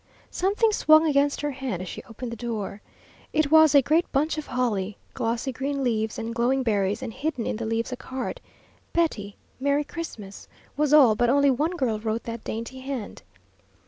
Something swung against her hand as she opened the door. It was a great bunch of holly, glossy green leaves and glowing berries, and hidden in the leaves a card: "Betty, Merry Christmas," was all, but only one girl wrote that dainty hand.